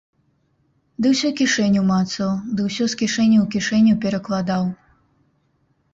Ды ўсё кішэню мацаў, ды ўсё з кішэні ў кішэню перакладаў.